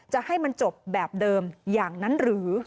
จะให้มันจบแบบเดิมอย่างนั้นหรือ